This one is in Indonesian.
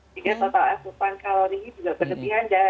jadi total asupan kalori juga berlebihan dari karbohidrat